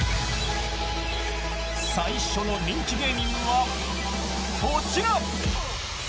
最初の人気芸人はこちら。